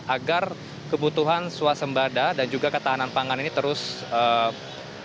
agar kebutuhan suasembada dan juga ketahanan pangan ini terus berjalan